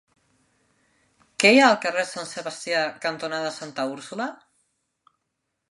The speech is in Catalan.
Què hi ha al carrer Sant Sebastià cantonada Santa Úrsula?